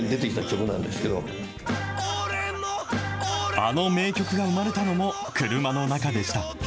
あの名曲が生まれたのも、車の中でした。